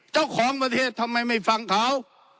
เจ้าของประเทศทำไมไม่ฟังเขา